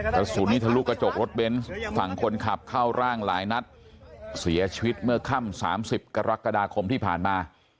กระสุนนี้ทะลุกระจกรถเบนส์ฝั่งคนขับเข้าร่างหลายนัดเสียชีวิตเมื่อค่ำ๓๐กรกฎาคมที่ผ่านมา